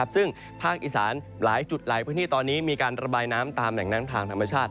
ซึ่งภาคอีสานหลายจุดหลายพื้นที่ตอนนี้มีการระบายน้ำตามแหล่งนั้นทางธรรมชาติ